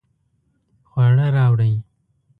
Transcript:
خواړه راوړئ